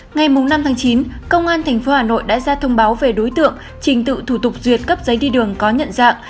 ngày năm tháng chín công an tp hà nội đã ra thông báo về đối tượng trình tự thủ tục duyệt cấp giấy đi đường có nhận dạng